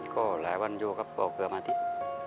ก็หลายวันอยู่ครับก็เกือบอาทิตย์